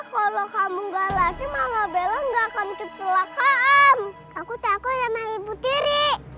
kalau kamu enggak lagi mama bella enggak akan kecelakaan aku takut sama ibu tiri